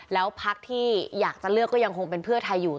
แล้วพักที่อยากจะเลือกก็ยังคงเป็นเพื่อไทยอยู่